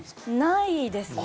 ないですね。